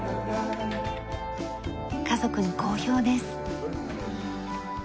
家族に好評です。